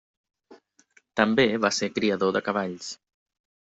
També va ser criador de cavalls.